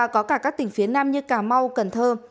có cả các tỉnh phía nam như cà mau cần thơ